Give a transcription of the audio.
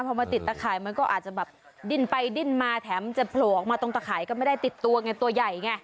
พอมาติดตะข่ายมันก็อาจจะแบบดิ้นไปดิ้นมาแถมจะโผล่ออกมาตรงตะข่ายก็ไม่ได้ติดตัวไงตัวใหญ่ไง